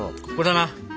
ここだな。